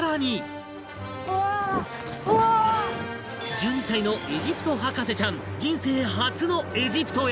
１２歳のエジプト博士ちゃん人生初のエジプトへ